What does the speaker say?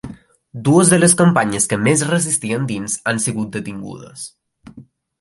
Dues de les companyes que resistien dins han sigut detingudes.